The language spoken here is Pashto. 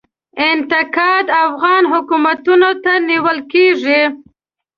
انتقاد افغان حکومتونو ته نیول کیږي.